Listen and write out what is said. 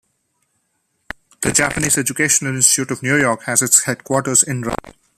The Japanese Educational Institute of New York has its headquarters in Rye.